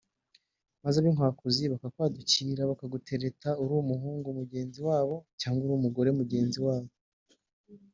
maze ab’inkwakuzi bakakwadukira bakagutereta uri umuhungu mugenzi wabo cyangwa umugore mugenzi wabo